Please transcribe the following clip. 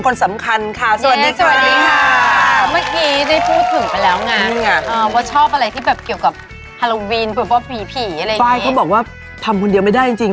ฝ่ายเขาบอกว่าทำคนเดียวไม่ได้จริง